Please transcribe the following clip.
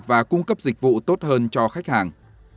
và cung cấp dịch vụ tốt hơn cho khách hàng